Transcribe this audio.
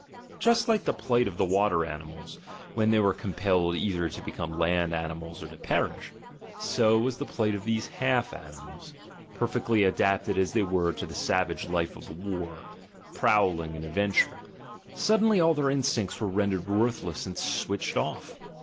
Just like the plight of the water animals, when they were compelled either to become land animals or to per ish, so was the plight of these half animals, perfectly adapted as they were to the savage life of war, prowling, and adventure — suddenly all their instincts were rendered worthless and "switched off."